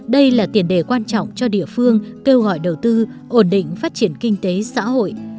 đây là tiền đề quan trọng cho địa phương kêu gọi đầu tư ổn định phát triển kinh tế xã hội